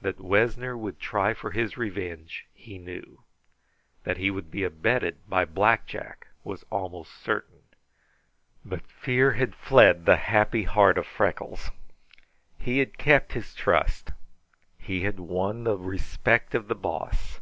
That Wessner would try for his revenge, he knew. That he would be abetted by Black Jack was almost certain, but fear had fled the happy heart of Freckles. He had kept his trust. He had won the respect of the Boss.